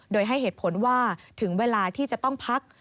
โดยให้เหตุผลว่าถึงเวลาที่จะต้องพัก